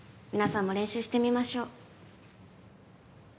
皆さんも練習してみましょう。